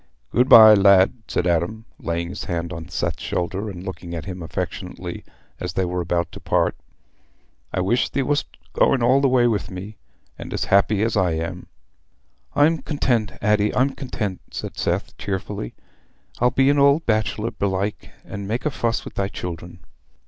"Good bye, lad," said Adam, laying his hand on Seth's shoulder and looking at him affectionately as they were about to part. "I wish thee wast going all the way wi' me, and as happy as I am." "I'm content, Addy, I'm content," said Seth cheerfully. "I'll be an old bachelor, belike, and make a fuss wi' thy children."